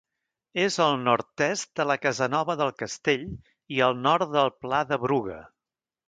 És al nord-est de la Casanova del Castell i al nord del Pla de Bruga.